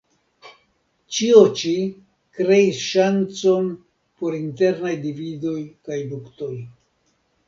Ĉio ĉi kreis ŝancon por internaj dividoj kaj luktoj.